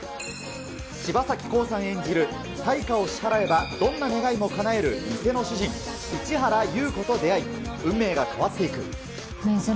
柴咲コウさん演じる、対価を支払えばどんな願いもかなえるミセの主人、壱原侑子と出会い、運命が変わっていく。